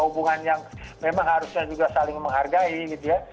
hubungan yang memang harusnya juga saling menghargai gitu ya